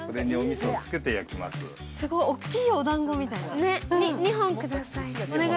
大きいおだんごみたいな。